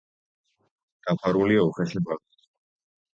დაფარულია უხეში ბალნით.